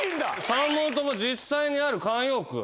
３問とも実際にある慣用句。